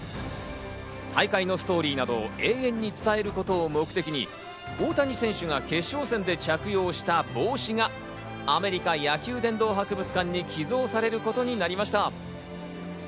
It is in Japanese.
大会のストーリーなどを永遠に伝えることを目的に、大谷選手が決勝戦で着用した帽子がアメリカ野球殿堂博物館に寄贈されることになりました。